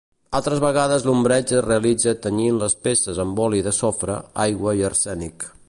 Altres vegades l'ombreig es realitza tenyint les peces amb oli de sofre, aigua i arsènic.